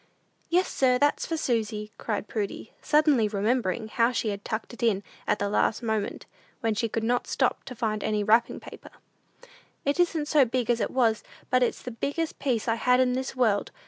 "Yes sir; that's for Susy," cried Prudy, suddenly remembering how she had tucked it in at the last moment, when she could not stop to find any wrapping paper. "It isn't so big as it was, but it's the biggest piece I had in this world.